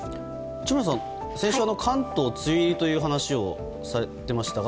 市村さん、先週関東梅雨入りという話をされていましたが。